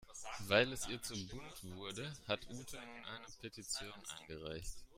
Weil es ihr zu bunt wurde, hat Ute nun eine Petition eingereicht.